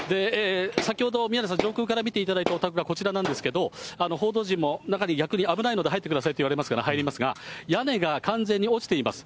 先ほど、宮根さん、上空から見ていただいたお宅がこちらなんですけれども、報道陣も、中に逆に危ないので入ってくださいと言われますから、入りますが、屋根が完全に落ちています。